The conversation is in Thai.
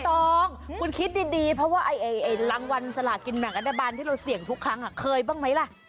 ตรงคุณคิดดีเพราะว่าทั้งวันสลากินแบบระดะบาลที่เราเสี่ยงทุกครั้งเคยบ้างมั้ยละ